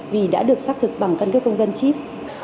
vì đã được xác thực bằng căn cước công dân chip